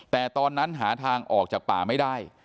แต่ตอนนั้นหาทางออกจากป่าไม่ได้